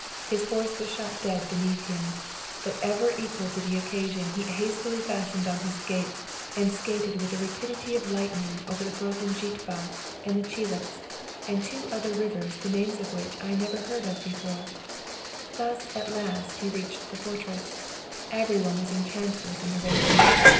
His horse was shot dead beneath him, but ever equal to the occasion, he hastily fastened on his skates, and skated with the rapidity of lightning over the frozen Zsitva and the Csiliz, and two other rivers the names of which I never heard of before. Thus at last he reached the fortress. Every one was enchanted with the narration.